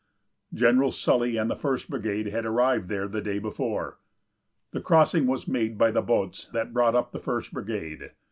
General Sully and the First Brigade had arrived there the day before. The crossing was made by the boats that brought up the First Brigade.